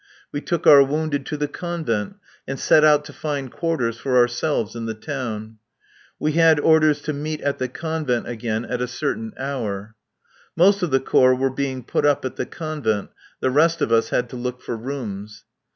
We took our wounded to the Convent, and set out to find quarters for ourselves in the town. We had orders to meet at the Convent again at a certain hour. Most of the Corps were being put up at the Convent. The rest of us had to look for rooms.